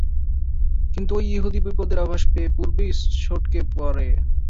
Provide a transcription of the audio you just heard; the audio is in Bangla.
কিন্তু ঐ ইহুদী বিপদের আভাস পেয়ে পূর্বেই সটকে পড়ে।